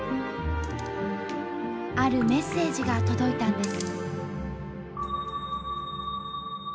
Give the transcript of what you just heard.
あるメッセージが届いたんです。